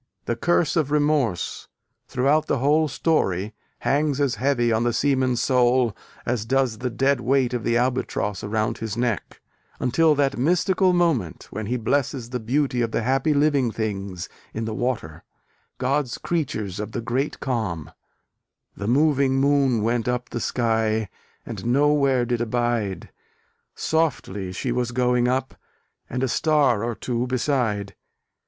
The curse of remorse, throughout the whole story, hangs as heavy on the seaman's soul as does the dead weight of the Albatross around his neck: until that mystical moment when he blesses the beauty of the "happy living things" in the water, "God's creatures of the great calm," The moving Moon went up the sky, And no where did abide: Softly she was going up, And a star or two beside.